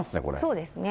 そうですね。